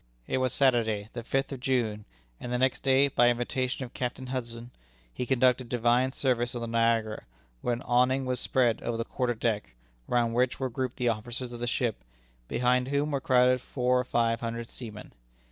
It was Saturday, the fifth of June, and the next day, by invitation of Captain Hudson, he conducted Divine service on the Niagara, where an awning was spread over the quarter deck, round which were grouped the officers of the ship, behind whom were crowded four or five hundred seamen.